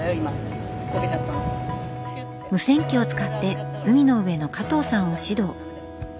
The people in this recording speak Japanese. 無線機を使って海の上の加藤さんを指導。